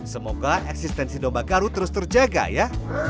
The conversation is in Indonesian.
semoga eksistensi domba garut terus terjaga ya